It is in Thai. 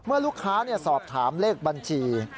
เมื่อลูกค้าสอบถามเลขบัญชี